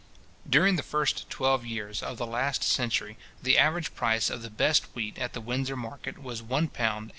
During the first twelve years of the last century, the average price of the best wheat at the Windsor market was £ 1:18:3½d.